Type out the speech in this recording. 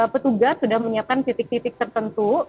petugas sudah menyiapkan titik titik tertentu